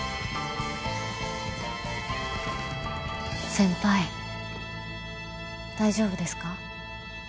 先輩大丈夫ですか？